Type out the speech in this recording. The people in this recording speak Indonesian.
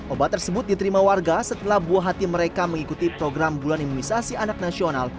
obat tersebut diterima warga setelah buah hati mereka mengikuti program bulan imunisasi anak nasional